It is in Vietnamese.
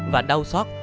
và đau xót